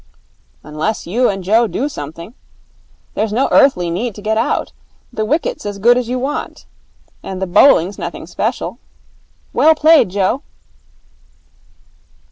'Unless you and Joe do something. There's no earthly need to get out. The wicket's as good as you want, and the bowling's nothing special. Well played, Joe!'